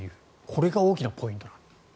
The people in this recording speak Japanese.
これが大きなポイントだと。